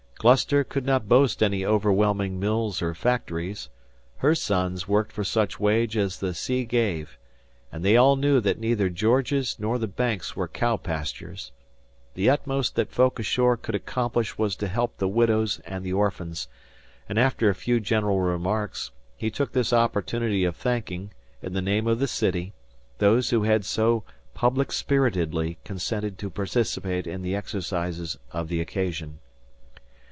Gloucester could not boast any overwhelming mills or factories. Her sons worked for such wage as the sea gave; and they all knew that neither Georges nor the Banks were cow pastures. The utmost that folk ashore could accomplish was to help the widows and the orphans, and after a few general remarks he took this opportunity of thanking, in the name of the city, those who had so public spiritedly consented to participate in the exercises of the occasion.